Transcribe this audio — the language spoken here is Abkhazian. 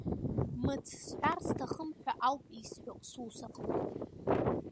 Мыц сҳәар сҭахым ҳәа ауп исҳәо сус аҟны.